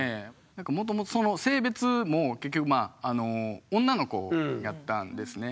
なんかもともとその性別も結局まあ女の子やったんですね。